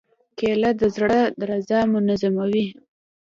کېله د زړه درزا منظموي.